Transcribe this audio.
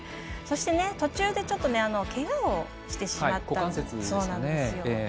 そして、途中でちょっとけがをしてしまったんです。